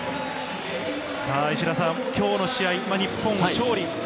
石田さん、今日の試合、日本勝利。